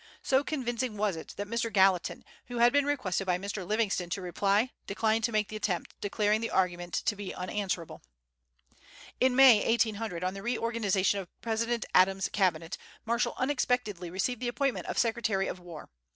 So convincing was it that Mr. Gallatin, who had been requested by Mr. Livingston to reply, declined to make the attempt, declaring the argument to be unanswerable. In May, 1800, on the reorganization of President Adams's Cabinet, Marshall unexpectedly received the appointment of Secretary of War.